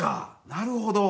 なるほど。